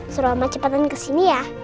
suruh oma cepetan kesini ya